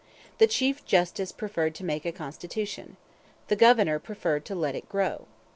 The chief justice preferred to make a constitution. The governor preferred to let it grow.